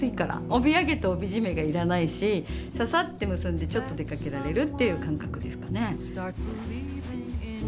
帯揚げと帯締めが要らないしささって結んでちょっと出かけられるという感覚ですかね。